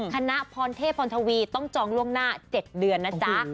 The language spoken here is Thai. คณะพรเทพพรทวีต้องจองล่วงหน้า๗เดือนนะจ๊ะ